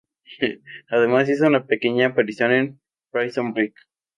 Además, hizo una pequeña aparición en "Prison Break".